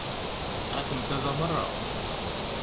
Atent-a da merra.